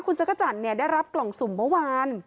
คุณจักรจันทร์ได้รับกล่องสุ่มเมื่อวาน